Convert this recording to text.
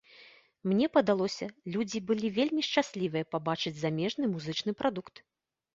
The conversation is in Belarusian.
Мне падалося, людзі былі вельмі шчаслівыя пабачыць замежны музычны прадукт.